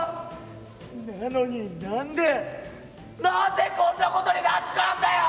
なのに何で何でこんなことになっちまうんだよ！」。